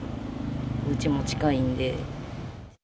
うちも近いんで。